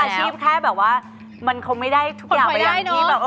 แล้วอาชีพแค่แบบว่ามันคงไม่ได้ทุกอย่างไปอย่างที่